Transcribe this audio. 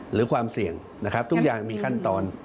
หรือความเสี่ยงนะครับทุกอย่างมีขั้นตอน